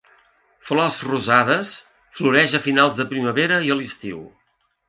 Flors rosades, floreix a finals de primavera i a l'estiu.